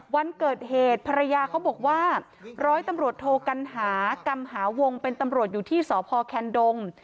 วันเกิดเหตุภรรยาเขาบอกว่าร้อยตำรวจโทกัณหากรรมหาวงเป็นตำรวจอยู่ที่สพแคนดง